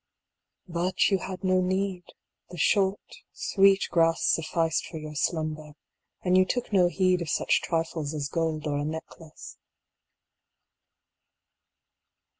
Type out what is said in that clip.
f But you had no need; the short sweet grass sufficed for your slumber, And you took no heed of such trifles as gold or a necklace.